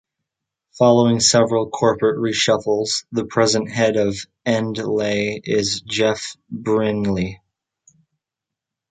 Following several corporate reshuffles, the present Head of Endleigh is Jeff Brinley.